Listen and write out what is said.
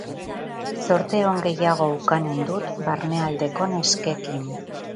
Zorte on gehiago ukanen dut barnealdeko neskekin.